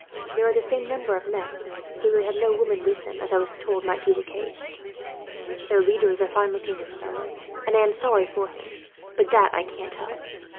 There are the same number of men, though they have no women with them, as I was told might be the case. Their leader is a fine looking young fellow, and I am sorry for him, but that I can't help.